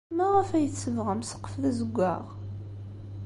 Maɣef ay tsebɣem ssqef d azewwaɣ?